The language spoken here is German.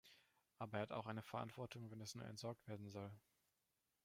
Aber er hat auch eine Verantwortung, wenn es nur entsorgt werden soll.